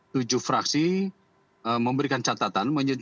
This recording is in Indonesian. tujuh fraksi memberikan catatan